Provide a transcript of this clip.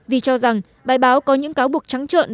vì cho rằng bài báo có những cáo buộc trắng trợn